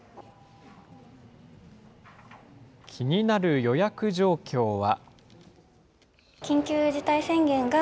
気になる予約状況は。